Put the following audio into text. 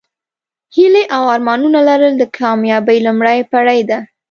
هیلې او ارمانونه لرل د کامیابۍ لومړۍ پوړۍ ده.